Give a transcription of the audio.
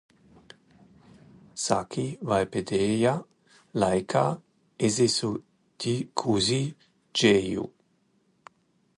Saki, vai pēdējā laikā esi satikusi Džeju?